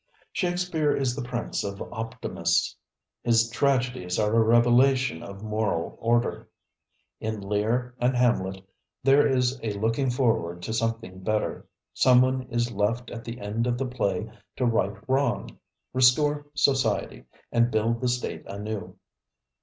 Shakespeare is the prince of optimists. His tragedies are a revelation of moral order. In ŌĆ£LearŌĆØ and ŌĆ£HamletŌĆØ there is a looking forward to something better, some one is left at the end of the play to right wrong, restore society and build the state anew.